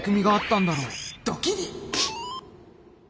ドキリ。